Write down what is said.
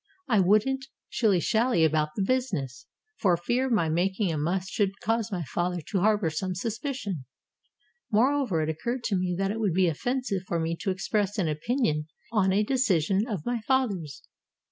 I would n't shilly shally about the business, for fear my making a fuss should cause my father to harbor some suspicion. More over, it occurred to me that it would be offensive for me to express an opinion on a decision of my father's.